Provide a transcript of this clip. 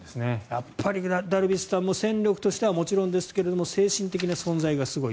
やっぱりダルビッシュさんも戦力としてもちろんですけれども精神的な存在がすごい。